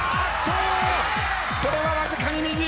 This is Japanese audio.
これはわずかに右。